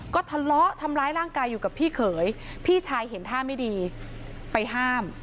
ก็ทะเลาะทำร้ายร่างกายอยู่กับพี่เขยพี่ชายเห็นท่าไม่ดีไปห้าม